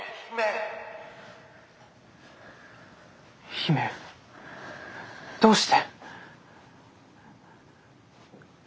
姫どうして。